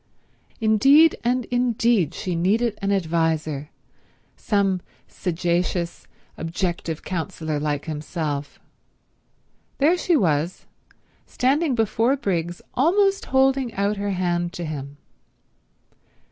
Indeed and indeed she needed an adviser—some sagacious, objective counselor like himself. There she was, standing before Briggs almost holding out her hand to him.